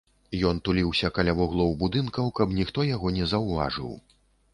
Ён туліўся каля вуглоў будынкаў, каб ніхто яго не заўважыў.